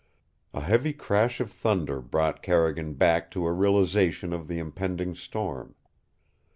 A heavy crash of thunder brought Carrigan back to a realization of the impending storm.